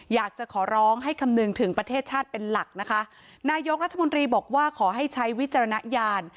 อยากจะขอร้องให้คำนึงถึงประเทศชาติเป็นหลักนะคะนายกรัฐมนตรีบอกว่าขอให้ใช้วิจารณญาณ